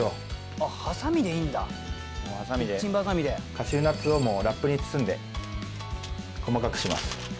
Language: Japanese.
カシューナッツをもうラップに包んで細かくします。